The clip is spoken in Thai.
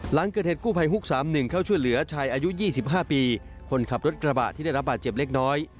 หลังเกิดเหตุกู้ภัยฮุก๓๑เข้าช่วยเหลือชายอายุ๒๕ปีคนขับรถกระบะที่ได้รับบาดเจ็บเล็กน้อย